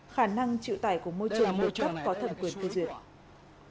khả năng chịu tải của môi trường được cấp có thẩm quyền phê duyệt